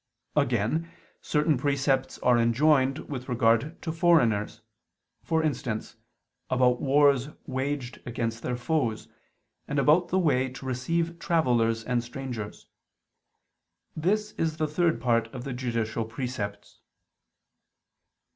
Again, certain precepts are enjoined with regard to foreigners: for instance, about wars waged against their foes, and about the way to receive travelers and strangers: this is the third part of the judicial precepts.